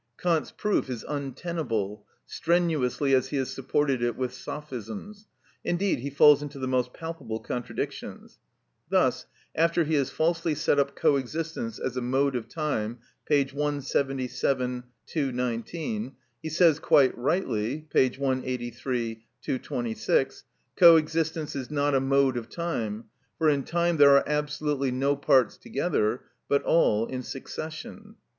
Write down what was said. Kant's proof is untenable, strenuously as he has supported it with sophisms; indeed, he falls into the most palpable contradictions. Thus, after he has falsely set up co existence as a mode of time (p. 177; V. 219), he says, quite rightly (p. 183; V. 226), "Co existence is not a mode of time, for in time there are absolutely no parts together, but all in succession."